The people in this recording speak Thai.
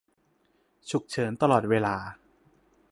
ฉุกเฉินตลอดเวลา